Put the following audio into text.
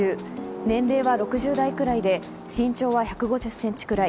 年齢は６０代くらいで、身長は１５０ｃｍくらい。